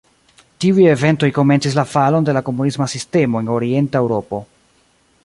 Tiuj eventoj komencis la falon de la komunisma sistemo en Orienta Eŭropo.